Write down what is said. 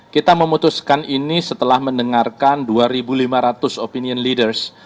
kita memutuskan ini setelah mendengarkan dua lima ratus opinion leaders